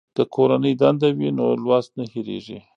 که کورنۍ دنده وي نو لوست نه هېریږي.